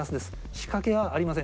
仕掛けはありません。